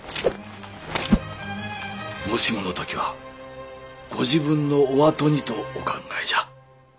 もしものときはご自分のお後にとお考えじゃ。